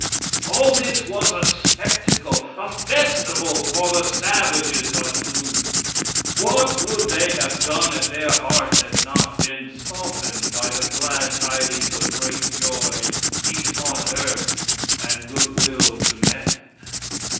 All this was a spectacle a festival for the savages of Toulouse. What would they have done if their hearts had not been softened by the glad tidings of great joy, peace on earth and good will to men?